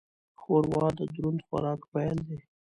ښوروا د دروند خوراک پیل دی.